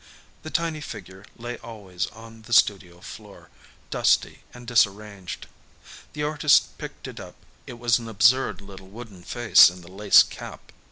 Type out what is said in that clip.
The tiny figure lay always on the studio floor, dusty and disarranged. The artist picked it up. It was an absurd little wooden face in the lace cap.